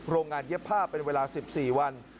โรงงานเย็บผ้าเป็นเวลา๑๔วัน